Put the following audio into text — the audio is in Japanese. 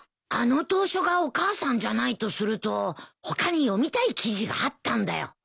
あの投書がお母さんじゃないとすると他に読みたい記事があったんだよ。